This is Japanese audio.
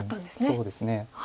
そうですね。